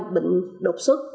bệnh độc xuất